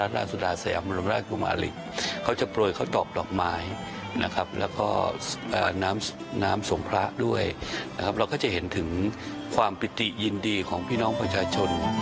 ในครับแล้วก็ความน้ำส่งประดับด้วยเราก็จะเห็นถึงความปิติยินดีของพี่น้องประชาชน